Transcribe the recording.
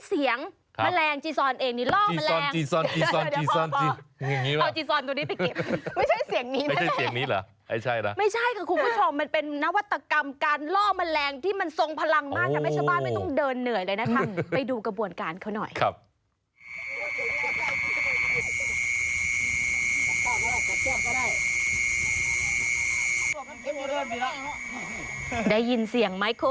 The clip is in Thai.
อ๋อเรีย่งเรี่ยกจี้ตายนี่แหละเวลาอยู่ในป่าประมาณนั้นเลย